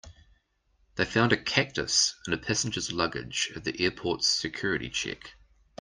They found a cactus in a passenger's luggage at the airport's security check.